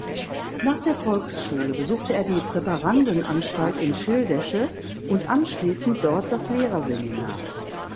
Nach der Volksschule besuchte er die Präparandenanstalt in Schildesche und anschließend dort das Lehrerseminar.